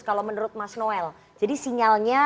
kalau menurut mas noel jadi sinyalnya